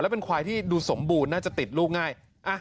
เป็นควายที่ดูสมบูรณ์น่าจะติดลูกง่าย